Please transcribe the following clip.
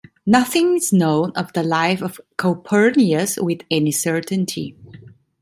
Nothing is known of the life of Calpurnius with any certainty.